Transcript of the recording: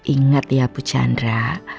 ingat ya bu jandra